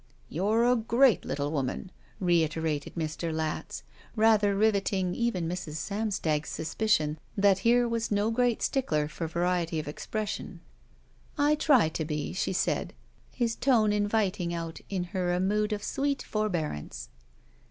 You're a great little woman/* reiterated Mr. Latz, rather riveting even Mrs. Samstag's suspicion that here was no great stickler for variety of expression. "I try to be," she said, his tone inviting out in her a mood of sweet forbearance.